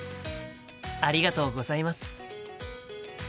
ありがとうございます。